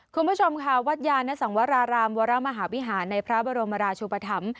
คุณผู้ชมค่ะวัดยานสังวรารามวรมหาวิหารในพระบรมราชุปธรรม